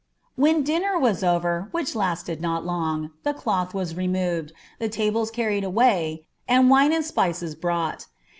" When dinner was over, which lasted not long, the cloth wu ihkiiwI, the tables carried away, and wine and spices brought.